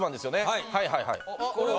はいはいはいあれ！